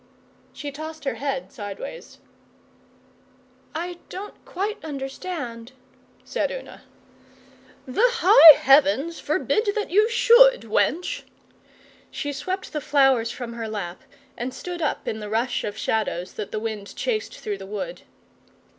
She tossed her head sideways. 'I don't quite understand,' said Una. 'The high heavens forbid that you should, wench!' She swept the flowers from her lap and stood up in the rush of shadows that the wind chased through the wood.